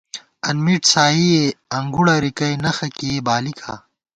انمِٹ سائی ئے، انگُڑہ رِکَئ، نخہ کېئی بالِکا